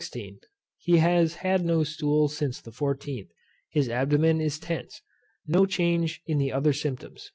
He has had no stools since the 14th. His Abdomen is tense. No change in the other symptoms.